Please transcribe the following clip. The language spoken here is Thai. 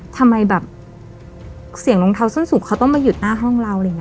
ทำไมแบบเสียงรองเท้าสั้นสุกเขาต้องมาหยุดหน้าห้องเรา